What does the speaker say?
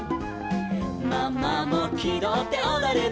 「ママもきどっておどるの」